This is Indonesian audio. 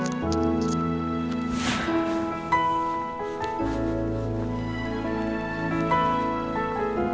tapi masal kayaknya lagi gak pengen diganggu